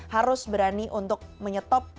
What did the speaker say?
harus berani untuk menyetop